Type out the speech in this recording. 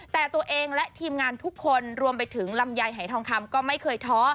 แต่ตัวเองและทีมงานทุกคนรวมไปถึงลำไยหายทองคำก็ไม่เคยท้อ